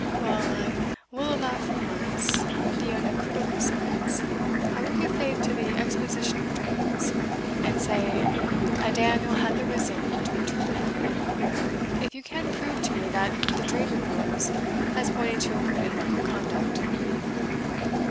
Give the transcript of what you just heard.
Well, I will allow for once the Oneirocritical science I will give faith to the exposition of dreams, and say a Daniel hath arisen to interpret them, if you can prove to me that that dream of yours has pointed to a prudent line of conduct."